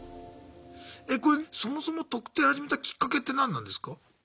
えこれそもそも「特定」始めたきっかけって何なんですか？